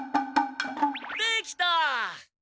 できた！